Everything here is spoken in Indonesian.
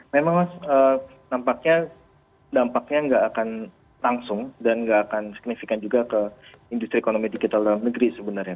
memang mas dampaknya nggak akan langsung dan nggak akan signifikan juga ke industri ekonomi digital dalam negeri sebenarnya